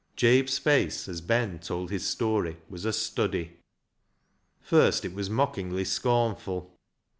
Jabe's face as Ben told his story was a study. First it was mockingly scornful.